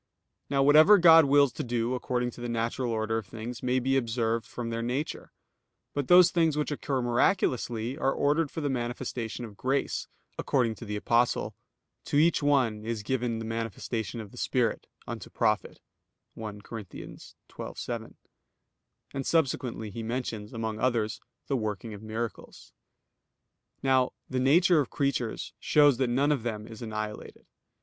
Now whatever God wills to do according to the natural order of things may be observed from their nature; but those things which occur miraculously, are ordered for the manifestation of grace, according to the Apostle, "To each one is given the manifestation of the Spirit, unto profit" (1 Cor. 12:7); and subsequently he mentions, among others, the working of miracles. Now the nature of creatures shows that none of them is annihilated.